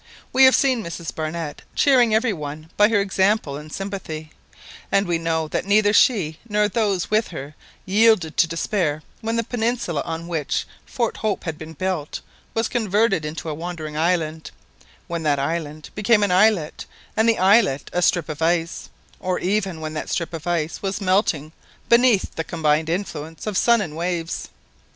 We have seen Mrs Barnett cheering every one by her example and sympathy; and we know that neither she nor those with her yielded to despair when the peninsula on which Fort Hope had been built was converted into a wandering island, when that island became an islet, and the islet a strip of ice, nor even when that strip of ice was melting beneath the combined influence of sun and waves.